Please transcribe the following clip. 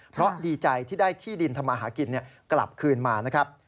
เพราะดีใจที่ได้ที่ดินทำมาหากินกลับคืนมานะครับ